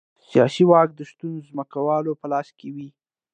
سیاسي واک د شتمنو ځمکوالو په لاس کې و